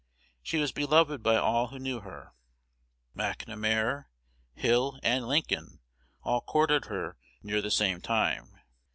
She was beloved by all who knew her. McNamar, Hill, and Lincoln all courted her near the same time.